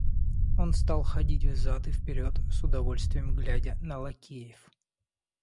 Он стал ходить взад и вперед, с удовольствием глядя на лакеев.